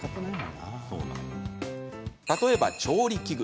例えば、調理器具。